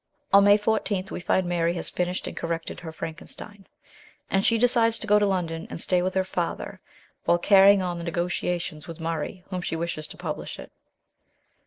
On May 14 we find Mary has finished and corrected her Frankenstein, and she decides to go to London and stay with her father while carrying on the negotiations with Murray whom she wishes to publish it.